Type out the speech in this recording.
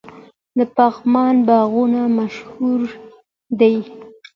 د پغمان باغونه مشهور دي.